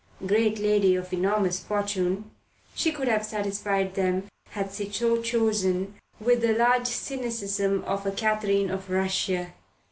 Great lady, of enormous fortune, she could have satisfied them, had she so chosen, with the large cynicism of a Catherine of Russia.